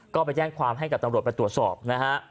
ก็ไปแจ้งความให้กับตำรวจไปตรวจสอบนะฮะ